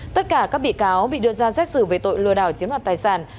tất cả các bị cáo bị đưa ra xét xử về tội lừa đảo chiếm đoạt tài sản